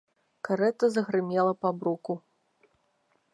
Карэта загрымела па бруку.